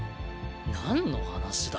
何の話だよ？